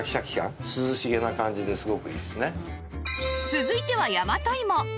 続いては大和芋